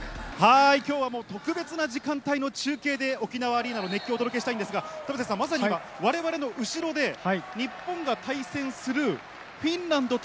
きょうはもう、特別な時間帯の中継で沖縄アリーナの熱気をお届けしたいんですが、田臥さん、まさに今、われわれの後ろで、日本が対戦するフィンランド対